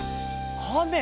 あめ？